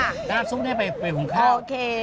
น้ำซุปนี่ไปหุ่นข้าว